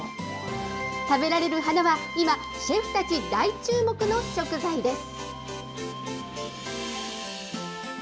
食べられる花は今、シェフたち大注目の食材です。